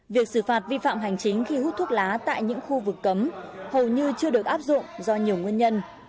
việc xử phạt vi phạm hành chính khi hút thuốc lá tại những khu vực cấm hầu như chưa được áp dụng do nhiều nguyên nhân